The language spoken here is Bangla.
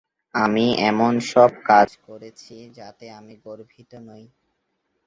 আমি এমন সব কাজ করেছি যাতে আমি গর্বিত নই।